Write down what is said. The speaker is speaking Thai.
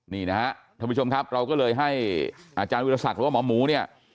นี่นะครับท่านผู้ชมครับเราก็เลยให้อาจารย์วิทยาศักดิ์หรือว่าหมอหมูเนี่ย